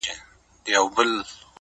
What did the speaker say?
لکه لوبغاړی ضرورت کي په سر بال وهي!!